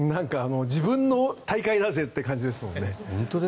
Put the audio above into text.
自分の大会だぜって感じですもんね。